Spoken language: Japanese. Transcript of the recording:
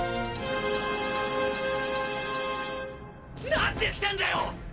何で来たんだよ！！